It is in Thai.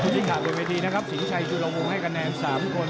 สิ้นขาดเป็นเวทีนะครับสิงชัยจุดลงมุมให้กระแนน๓คน